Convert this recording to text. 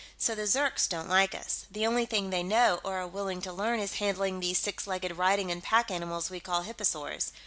So the Zirks don't like us. The only thing they know or are willing to learn is handling these six legged riding and pack animals we call hipposaurs.